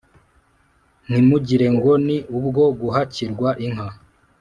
ntimugire ngo ni ubwo guhakirwa inka